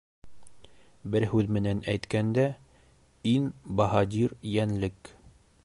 Бер һүҙ менән әйткәндә, ин баһадир йәнлек.